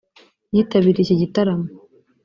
yitabiriye iki gitaramo